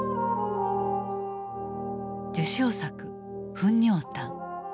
受賞作「糞尿譚」。